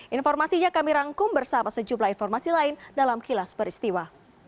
informasinya kami rangkum bersama sejumlah informasi lain dalam kilas peristiwa